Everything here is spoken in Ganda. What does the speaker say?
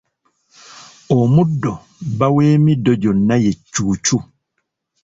Omuddo bba w’emiddo gyonna ye Cuucu.